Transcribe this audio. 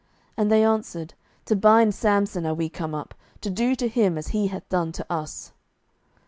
And they answered, To bind Samson are we come up, to do to him as he hath done to us.